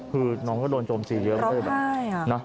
คือน้องก็โดนโจมตีเยอะไม่ใช่แบบนั้น